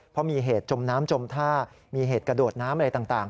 เพราะมีเหตุจมน้ำจมท่ามีเหตุกระโดดน้ำอะไรต่าง